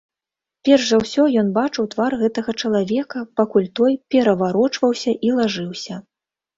Перш за ўсё ён убачыў твар гэтага чалавека, пакуль той пераварочваўся і лажыўся.